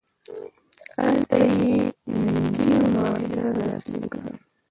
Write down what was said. هلته یې ننګینه معاهده لاسلیک کړه.